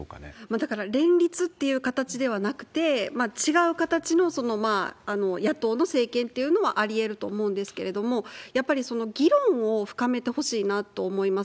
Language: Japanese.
だから、連立っていう形ではなくて、違う形の野党の政権っていうのはありえると思うんですけれども、やっぱり議論を深めてほしいなと思います。